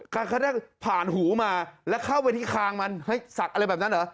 แค่นั้นผ่านหูมาแล้วเข้าไปที่ขางมันให้ศักดิ์อะไรแบบนั้นหรอก